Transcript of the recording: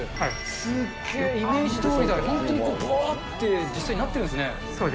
すっげー、イメージどおりだ、本当にぶおーって、実際なってるんですね。